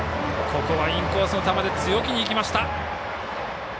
ここはインコースの球で強気にいきました！